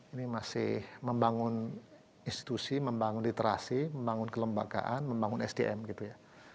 ini masih membangun institusi membangun literasi membangun kelembagaan membangun sdm gitu ya